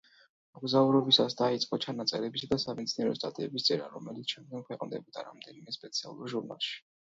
მოგზაურობისას დაიწყო ჩანაწერებისა და სამეცნიერო სტატიების წერა, რომელიც შემდეგ ქვეყნდებოდა რამდენიმე სპეციალურ ჟურნალში.